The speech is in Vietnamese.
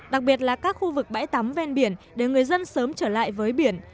đặc biệt là các khu vực bãi tắm ven biển để người dân sớm trở lại với biển